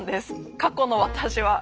過去の私は。